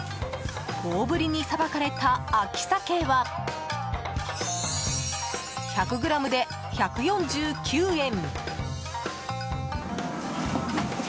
大ぶりにさばかれた秋サケは１００ｇで１４９円。